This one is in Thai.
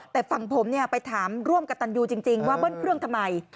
แต่ฝั่งผมไปถามร่วมกับตันยูจริงว่าเบิ้ลเครื่องทำไม